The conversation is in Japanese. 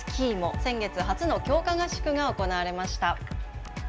先月、初の強化合宿が行われました。